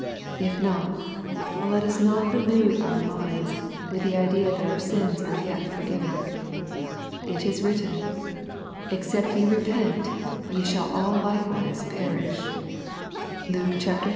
If not, let us not delude our minds with the idea that our sins are yet forgiven. It is written, " Except ye repent, ye shall all likewise perish.'* (Luke xiii.